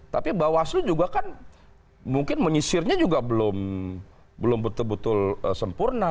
tapi bawaslu juga kan mungkin menyisirnya juga belum betul betul sempurna